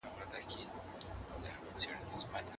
هغه د پښتنو په هر کور کې پیژندل شوی و.